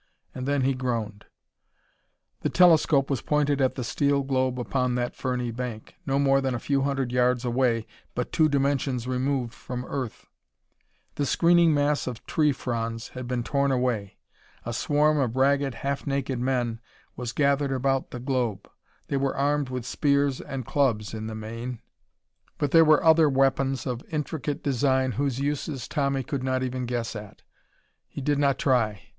And then he groaned. The telescope was pointed at the steel globe upon that ferny bank, no more than a few hundred yards away but two dimensions removed from Earth. The screening mass of tree fronds had been torn away. A swarm of ragged, half naked men was gathered about the globe. They were armed with spears and clubs, in the main, but there were other weapons of intricate design whose uses Tommy could not even guess at. He did not try.